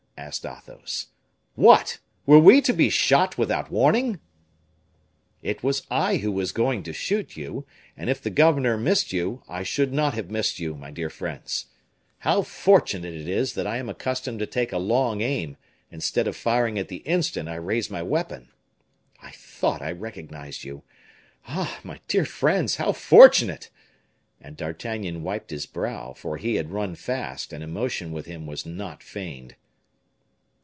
asked Athos. "What! were we to be shot without warning?" "It was I who was going to shoot you, and if the governor missed you, I should not have missed you, my dear friends. How fortunate it is that I am accustomed to take a long aim, instead of firing at the instant I raise my weapon! I thought I recognized you. Ah! my dear friends, how fortunate!" And D'Artagnan wiped his brow, for he had run fast, and emotion with him was not feigned.